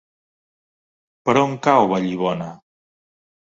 Per on cau Vallibona?